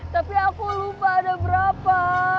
tapi aku lupa ada berapa